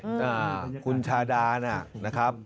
ฮือคุณชาดานี่นะครับ